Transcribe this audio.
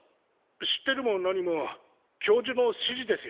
知ってるも何も教授の指示ですよ。